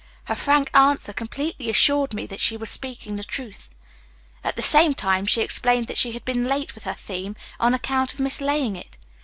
Her frank answer completely assured me that she was speaking the truth. At the same time she explained that she had been late with her theme on account of mislaying it.